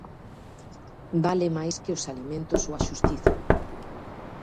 Vale máis que os alimentos ou a xustiza.